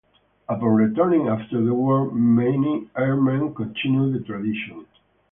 Upon returning after the war, many airmen continued the tradition.